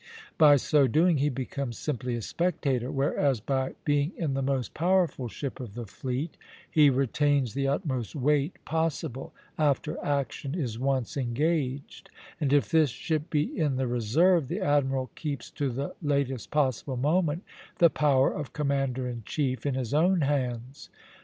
By so doing he becomes simply a spectator; whereas by being in the most powerful ship of the fleet he retains the utmost weight possible after action is once engaged, and, if this ship be in the reserve, the admiral keeps to the latest possible moment the power of commander in chief in his own hands.